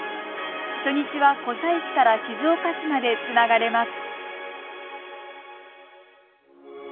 初日は湖西市から静岡市までつながれます。